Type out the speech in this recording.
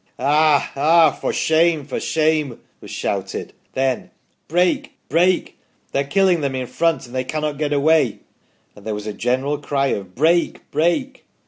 ' Ah ! ah ! for shame ! for shame !' was shouted. Then ' Break ! break ! they are killing them in front, and they cannot get away '; and there was a general cry of * Break ! break